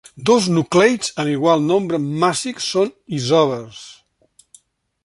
Dos nucleids amb igual nombre màssic són isòbars.